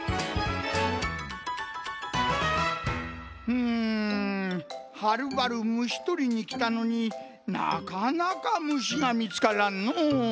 うんはるばる虫とりにきたのになかなか虫がみつからんのう。